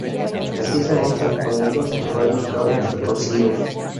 Así, se monta con hilos de varios cabos retorcidos.